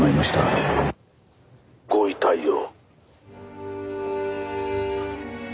「ご遺体を」